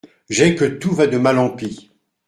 J’ai que tout va de mal en pis !…